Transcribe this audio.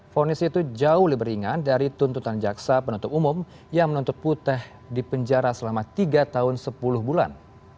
fonis itu jauh lebih ringan dari tuntutan jaksa penuntut umum yang menuntut putih di penjara selama tiga tahun sepuluh bulan